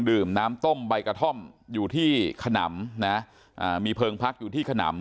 ดื่มน้ำต้มใบกระท่อมอยู่ที่ขนำนะอ่ามีเพลิงพักอยู่ที่ขนำ